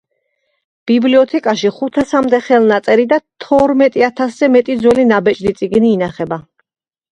ბიბლიოთეკაში ხუთასამდე ხელნაწერი და თორმეტი ათასზე მეტი ძველი ნაბეჭდი წიგნი ინახება.